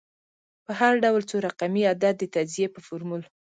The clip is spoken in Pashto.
په هر ډول څو رقمي عدد د تجزیې په فورمول